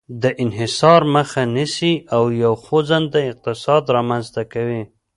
د انحصار مخه نیسي او یو خوځنده اقتصاد رامنځته کوي.